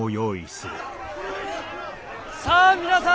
さあ皆さん！